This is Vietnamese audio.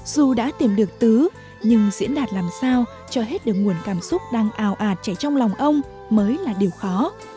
dù đã tìm được tứ nhưng diễn đạt làm sao cho hết được nguồn cảm xúc đang ào ạt chảy trong lòng ông mới là điều khó